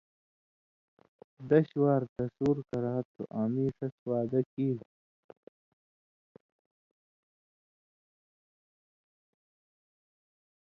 دَش وار تَصور کرا تُھو آں مِیں شَس وعدہ کِیریۡ